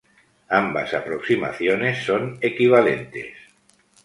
Ambas aproximaciones son equivalentes.